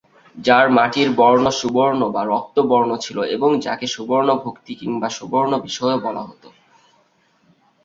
যার মাটির বর্ণ সুবর্ণ বা রক্ত বর্ণ ছিল এবং যাকে সুবর্ণ ভুক্তি কিংবা সুবর্ণ বিষয় ও বলা হত।